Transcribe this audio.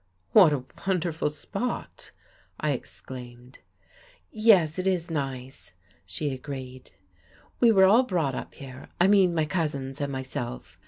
"What a wonderful spot!" I exclaimed. "Yes, it is nice," she agreed, "we were all brought up here I mean my cousins and myself.